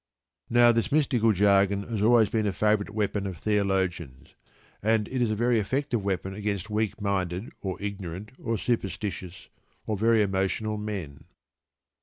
Now, this mystical jargon has always been a favourite weapon of theologians, and it is a very effective weapon against weak minded, or ignorant, or superstitious, or very emotional men.